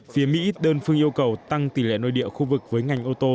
phía mỹ đơn phương yêu cầu tăng tỷ lệ nội địa khu vực với ngành ô tô